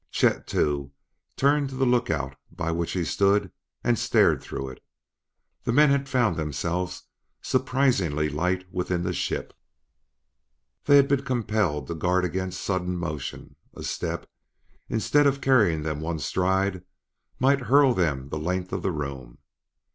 Chet, too, turned to the lookout by which he stood and stared through it. The men had found themselves surprisingly light within the ship. They had been compelled to guard against sudden motion; a step, instead of carrying them one stride, might hurl them the length of the room.